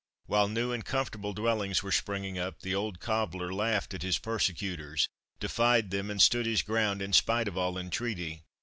While new and comfortable dwellings were springing up, the old cobbler laughed at his persecutors, defied them, and stood his ground in spite of all entreaty.